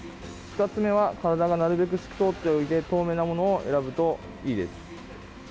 ２つ目は体がなるべく透き通っていて透明なものを選ぶといいです。